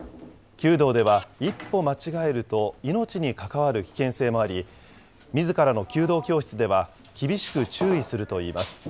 弓道では、一歩間違えると命に関わる危険性もあり、みずからの弓道教室では、厳しく注意するといいます。